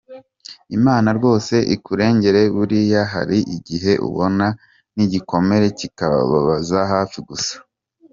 Imana rwose ikurengere buriya hari igihe ubana nigikomere kikakubabaza hafi gusara.